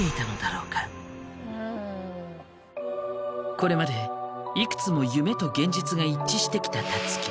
これまでいくつも夢と現実が一致してきたたつき。